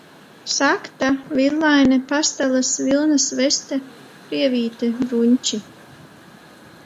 Sakta, villaine, pastalas, vilnas veste, prievīte, brunči.